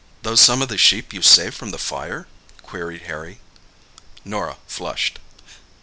"Those some of the sheep you saved from the fire?" queried Harry. Norah flushed.